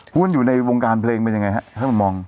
พูดอยู่ในวงการเพลงเป็นยังไงครับถ้ามันมอง